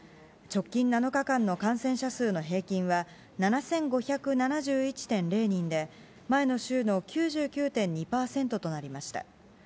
直近７日間の感染者数の平均は７５７１．０人で、前の週の９９．２％となりました。